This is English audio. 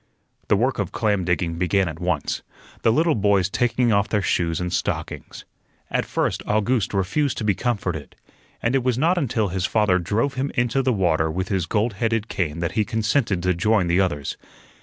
The work of clam digging began at once, the little boys taking off their shoes and stockings. At first August refused to be comforted, and it was not until his father drove him into the water with his gold headed cane that he consented to join the others.